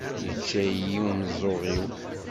Yečča-yi umeẓẓuɣ-iw.